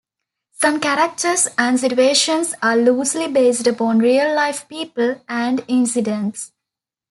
Some characters and situations are loosely based upon real-life people and incidents.